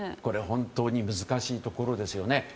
本当に難しいところですよね。